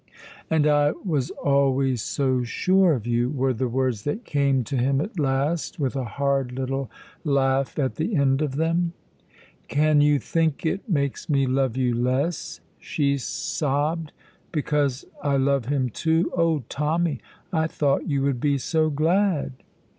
"And I was always so sure of you!" were the words that came to him at last, with a hard little laugh at the end of them. "Can you think it makes me love you less," she sobbed, "because I love him, too? Oh, Tommy, I thought you would be so glad!"